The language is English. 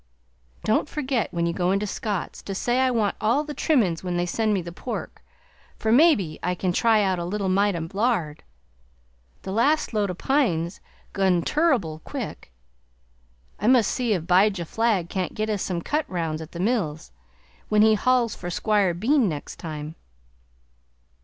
Don't forget, when you go into Scott's, to say I want all the trimmin's when they send me the pork, for mebbe I can try out a little mite o' lard. The last load o' pine's gone turrible quick; I must see if "Bijah Flagg can't get us some cut rounds at the mills, when he hauls for Squire Bean next time.